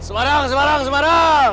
semarang semarang semarang